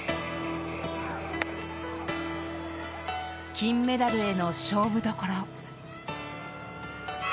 金メダルへの勝負どころ。